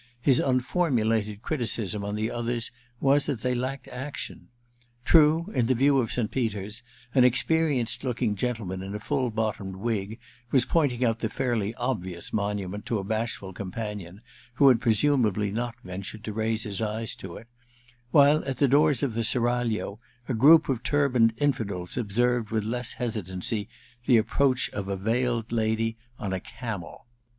His unformulated criticism on the others was that they lacked action. True, in the view of St. Peter's an experienced looking gentleman in a full bottomed wig was pointing out the fairly obvious monument to a bashful companion, who had presumably not ventured to raise his eyes to it ; while, at the doors of the Seraglio, a group of turbaned in fidels observed virith less hesitancy the approach of a veiled lady on a camel.